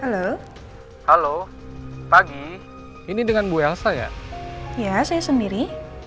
halo halo pagi ini dengan bu elsa ya saya sendiri